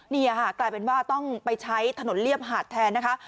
นี่ค่ะกลายเป็นว่าต้องไปใช้ถนนเรียบหาดแทนนะคะ